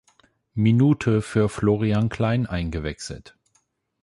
Minute für Florian Klein eingewechselt.